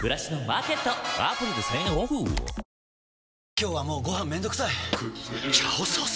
今日はもうご飯めんどくさい「炒ソース」！？